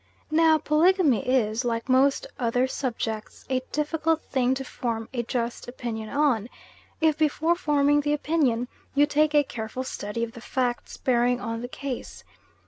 Now polygamy is, like most other subjects, a difficult thing to form a just opinion on, if before forming the opinion you make a careful study of the facts bearing on the case.